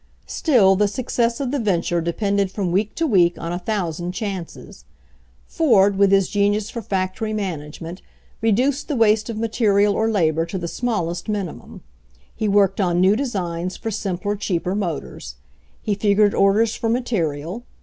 Still the success of the venture depended from week to week on a thousand chances. Ford, with his genius for factory management, reduced the waste of material or labor to the smallest mini mum. He worked on new designs for simpler, cheaper motors. He figured orders for material.